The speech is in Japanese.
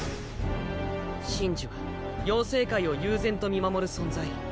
神樹は妖精界を悠然と見守る存在。